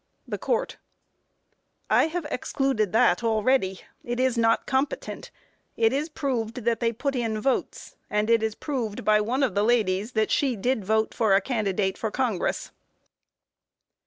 THE COURT: I have excluded that already. It is not competent. It is proved that they put in votes, and it is proved by one of the ladies that she did vote for a candidate for Congress.